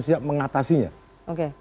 siap mengatasinya oke